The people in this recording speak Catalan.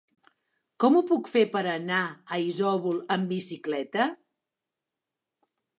Com ho puc fer per anar a Isòvol amb bicicleta?